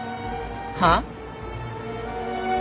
はあ？